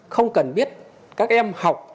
không cần biết các em học